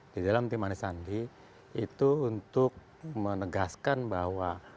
di dalam tim anies sandi itu untuk menegaskan bahwa